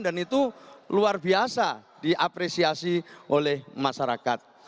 itu luar biasa diapresiasi oleh masyarakat